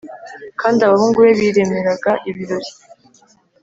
Kandi abahungu be biremeraga ibirori